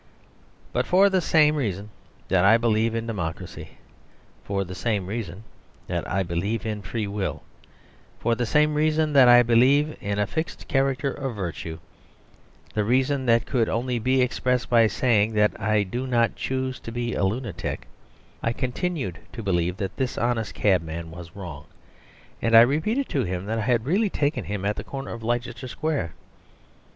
But for the same reason that I believe in Democracy, for the same reason that I believe in free will, for the same reason that I believe in fixed character of virtue, the reason that could only be expressed by saying that I do not choose to be a lunatic, I continued to believe that this honest cabman was wrong, and I repeated to him that I had really taken him at the corner of Leicester square.